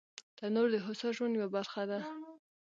تنور د هوسا ژوند یوه برخه ده